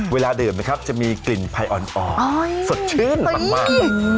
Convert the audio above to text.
เวลาดื่มจะมีกลิ่นไผ่อ่อนสดชื่นมาก